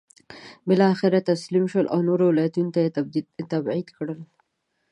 بالاخره تسلیم شول او نورو ولایتونو ته یې تبعید کړل.